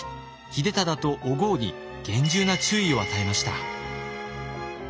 秀忠とお江に厳重な注意を与えました。